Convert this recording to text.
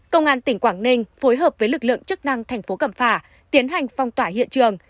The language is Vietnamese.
công an tỉnh quảng ninh phối hợp với lực lượng chức năng thành phố cẩm phả tiến hành phong tỏa hiện trường